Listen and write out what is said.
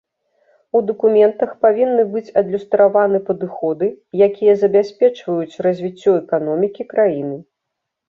У дакументах павінны быць адлюстраваны падыходы, якія забяспечваюць развіццё эканомікі краіны.